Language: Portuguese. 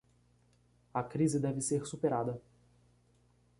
A crise deve ser superada